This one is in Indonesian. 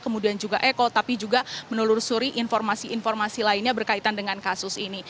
kemudian juga eko tapi juga menelusuri informasi informasi lainnya berkaitan dengan kasus ini